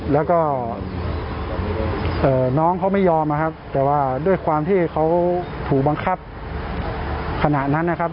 แล้วก็น้องเขาไม่ยอมนะครับแต่ว่าด้วยความที่เขาถูกบังคับขณะนั้นนะครับ